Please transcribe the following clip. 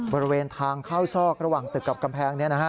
บริเวณทางเข้าซอกระหว่างตึกกับกำแพง